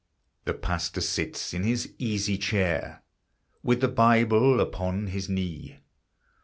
The pastor sits in his easy chair, With the Bible upon his knee.